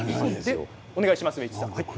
お願いします。